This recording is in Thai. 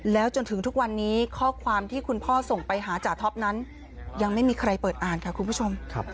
แล้วจนถึงทุกวันนี้ข้อความที่คุณพ่อส่งไปหาจ่าท็อปนั้นยังไม่มีใครเปิดอ่านค่ะคุณผู้ชม